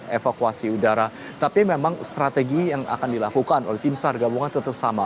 tidak ada kemungkinan untuk melakukan evakuasi udara tapi memang strategi yang akan dilakukan oleh tim sarga bukan tetap sama